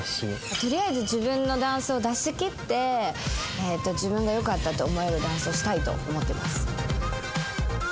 とりあえず自分のダンスを出し切って自分がよかったと思えるダンスをしたいと思ってます。